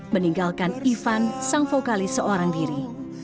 meninggalkan ivan sang vokalis seorang diri